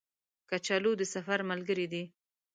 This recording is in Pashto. کچالو د سفر ملګری دی